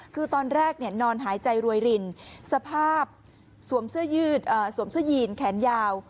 คือตอนแรกนอนหายใจรวยรินสภาพสวมเสื้อยีนแขนยาว